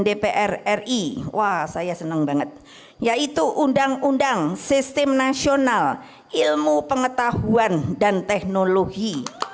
dpr ri wah saya senang banget yaitu undang undang sistem nasional ilmu pengetahuan dan teknologi